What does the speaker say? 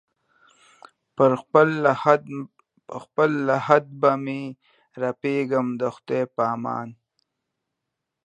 پر خپل لحد به مي رپېږمه د خدای په امان